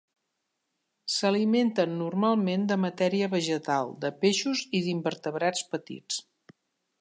S'alimenten normalment de matèria vegetal, de peixos i d'invertebrats petits.